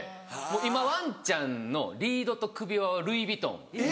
今ワンちゃんのリードと首輪はルイ・ヴィトン。